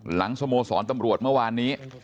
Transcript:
สโมสรตำรวจเมื่อวานนี้